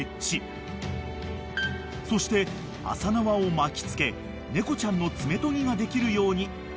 ［そして麻縄を巻きつけ猫ちゃんの爪とぎができるように］